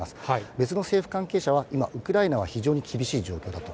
別の政府関係者は今、ウクライナは非常に厳しい状況だと。